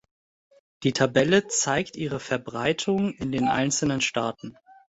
Die Tabelle zeigt ihre Verbreitung in den einzelnen Staaten.